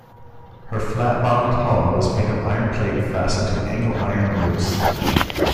Her flat-bottomed hull was made of iron plate fastened to angle-iron ribs.